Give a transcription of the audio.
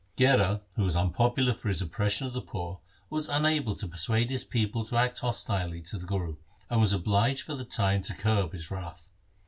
1 Gherar, who was unpopular for his oppression of the poor, was unable to persuade his people to act hostilely to the Guru, and was obliged for the time to curb his wrath.